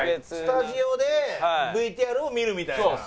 スタジオでＶＴＲを見るみたいな。